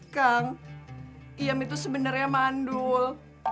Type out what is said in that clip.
kang iyam itu sebenernya mandul